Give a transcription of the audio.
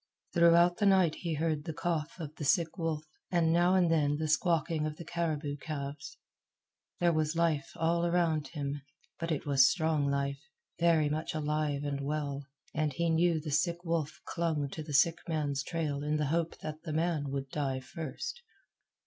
Throughout the night he heard the cough of the sick wolf, and now and then the squawking of the caribou calves. There was life all around him, but it was strong life, very much alive and well, and he knew the sick wolf clung to the sick man's trail in the hope that the man would die first.